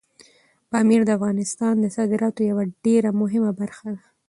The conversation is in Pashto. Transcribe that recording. پامیر د افغانستان د صادراتو یوه ډېره مهمه برخه ده.